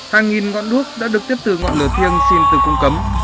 hàng nghìn ngọn đuốc đã được tiếp từ ngọn lửa thiêng xin từ cung cấm